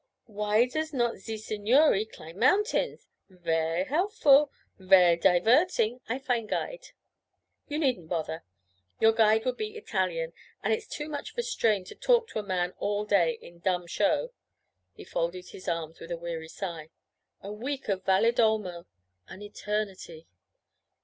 Why does not ze signore climb mountains? Ver' helful; ver' diverting. I find guide.' 'You needn't bother. Your guide would be Italian, and it's too much of a strain to talk to a man all day in dumb show.' He folded his arms with a weary sigh. 'A week of Valedolmo! An eternity!'